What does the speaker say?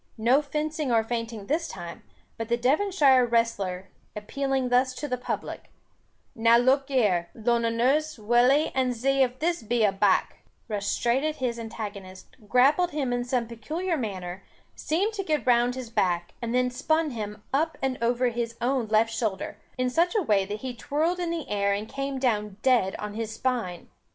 No fencing or feinting this time; but the Devonshire wrestler, appealing thus to the public, "Now look here, Lunnoners, wull e, and zee if this here be a back," rushed straight at his antagonist, grappled him in some peculiar manner, seemed to get round his back, and then spun him up over his own left shoulder, in such a way that he twirled in the air and came down dead on his spine.